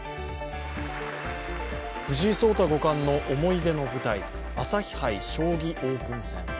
藤井聡太五冠の思い出の舞台、朝日杯将棋オープン戦。